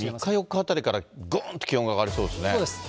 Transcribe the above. ３日、４日あたりからぐんと気温が上がりそうですね。